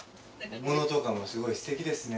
小物とかもすごいすてきですね。